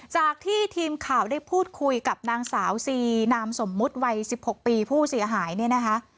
จากที่ทีมข่าวได้พูดคุยกับนางสาวซีนามสมมุติวัย๑๖ปีผู้เสียหายเนี่ยนะคะ